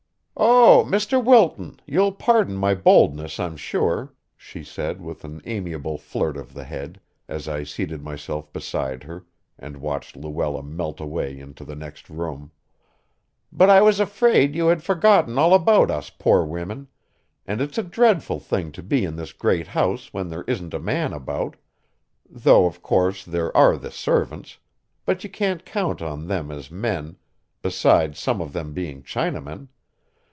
"Oh, Mr. Wilton, you'll pardon my boldness, I'm sure," she said with an amiable flirt of the head, as I seated myself beside her and watched Luella melt away into the next room; "but I was afraid you had forgotten all about us poor women, and it's a dreadful thing to be in this great house when there isn't a man about, though of course there are the servants, but you can't count them as men, besides some of them being Chinamen.